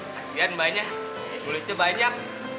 kasian mbaknya tulisnya banyak